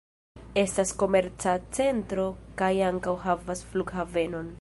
Estas komerca centro kaj ankaŭ havas flughavenon.